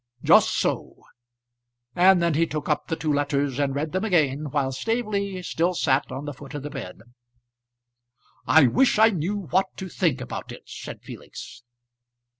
"Just so;" and then he took up the two letters and read them again, while Staveley still sat on the foot of the bed. "I wish I knew what to think about it," said Felix.